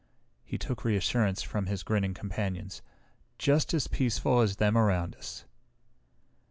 He took reassurance from his grinning companions. "Just as peaceful as them around us."